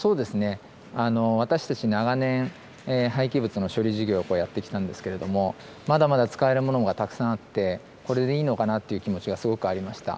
私たち長年、廃棄物の処理事業をやってきたんですけれども、まだまだ使えるものがたくさんあってこれでいいのかなという気持ちがすごくありました。